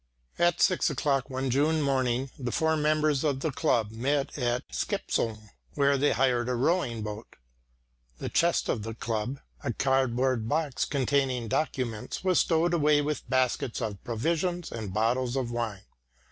At six o'clock one June morning the four members of the club met at Skeppsholm, where they had hired a rowing boat. The chest of the club, a card board box containing documents, was stowed away with baskets of provisions and bottles of wine.